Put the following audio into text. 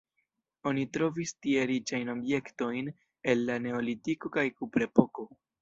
Oni trovis tie riĉajn objektojn el la neolitiko kaj kuprepoko.